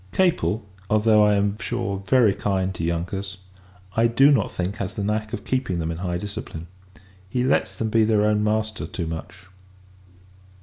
Capel although, I am sure, very kind to younkers I do not think, has the knack of keeping them in high discipline; he lets them be their own master too much.